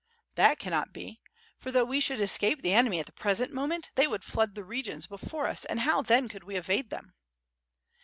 "That cannot be, for though we should escape the enemy at the present moment, they would flood the regions before us, and how then could we evade them?"